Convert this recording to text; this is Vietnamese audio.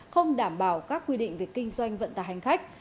không đảm bảo các quy định về kinh doanh vận tải hành khách